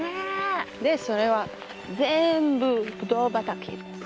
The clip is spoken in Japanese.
でそれは全部ぶどう畑です。